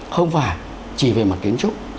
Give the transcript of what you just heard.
không phải chỉ về mặt kiến trúc